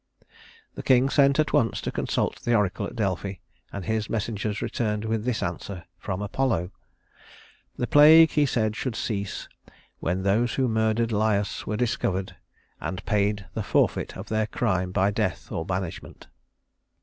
The king sent at once to consult the oracle at Delphi, and his messengers returned with this answer from Apollo: "The plague, he said, should cease, When those who murdered Laius were discovered, And paid the forfeit of their crime by death Or banishment."